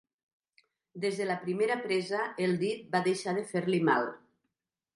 Des de la primera presa, el dit va deixar de fer-li mal.